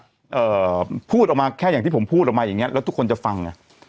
เอ่อพูดออกมาแค่อย่างที่ผมพูดออกมาอย่างเงี้แล้วทุกคนจะฟังไง